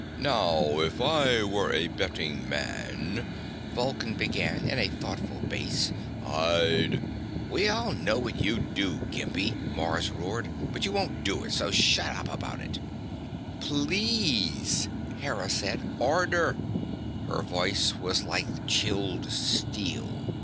"Now, if I were a betting man," Vulcan began in a thoughtful bass, "I'd " "We all know what you'd do, Gimpy," Mars roared. "But you won't do it, so shut up about it." "Please," Hera said. "Order." Her voice was like chilled steel.